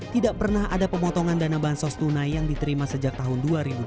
tidak pernah ada pemotongan dana bansos tunai yang diterima sejak tahun dua ribu dua belas